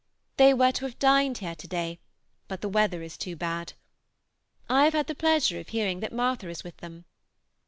They were to have dined here to day, but the weather is too bad. I have had the pleasure of hearing that Martha is with them.